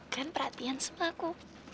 glenn perhatian sama aku